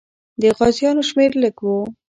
د غازیانو شمېر لږ وو.